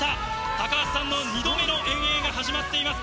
高橋さんの２度目の遠泳が始まっています。